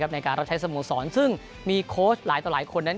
ในการรับใช้สโมสรซึ่งมีโค้ชหลายต่อหลายคนนั้น